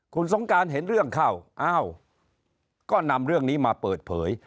คุณสงการเห็นเรื่องเข้าอ้าวก็นำเรื่องนี้มาเปิดเผย